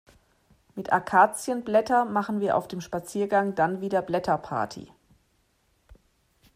Mit Akazienblätter machen wir auf dem Spaziergang dann wieder Blätterparty.